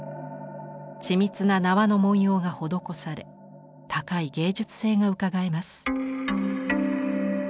緻密な縄の文様が施され高い芸術性がうかがえます。